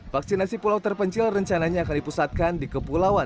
vaksinasi pulau terpencil rencananya akan dipusatkan di kepulauan